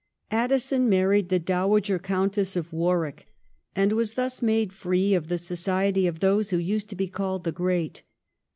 Addison married the Dowager Countess of Warwick, and was thus made free of the society of those who used to be called Hhe great.'